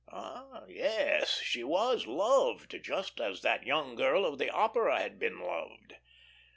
Ah yes, she was loved, just as that young girl of the opera had been loved.